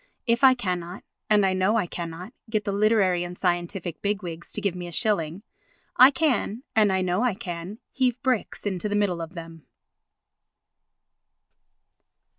If I cannot, and I know I cannot, get the literary and scientific big wigs to give me a shilling, I can, and I know I can, heave bricks into the middle of them.